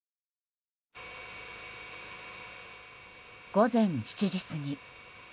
午前７時過ぎ